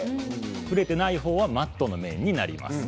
触れてない方はマットな面になります。